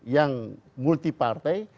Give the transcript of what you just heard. yang multi partai